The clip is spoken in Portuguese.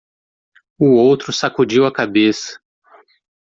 O outro sacudiu a cabeça.